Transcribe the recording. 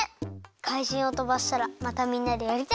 かいじんをとばしたらまたみんなでやりたいです。